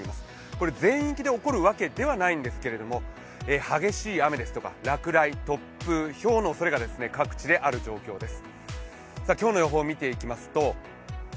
これ全域で起こるわけではないんですけど、激しい雨ですとか落雷、突風、ひょうのおそれが各地であります。